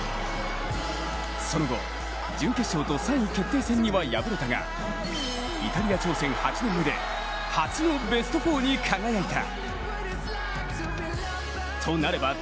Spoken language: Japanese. その後、準決勝と３位決定戦には敗れたがイタリア挑戦８年目で初のベスト４に輝いた。